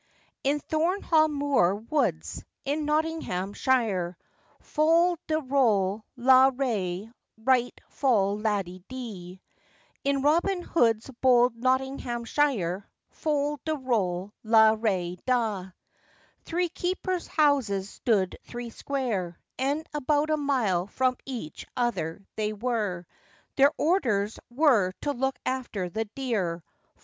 ] IN Thornehagh Moor woods, in Nottinghamshire, Fol de rol, la re, right fol laddie, dee; In Robin Hood's bold Nottinghamshire, Fol de rol, la re da; Three keepers' houses stood three square, And about a mile from each other they were;— Their orders were to look after the deer.